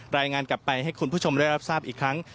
รายงานกลับไปให้คุณผู้ชมได้รับทราบอีกครั้ง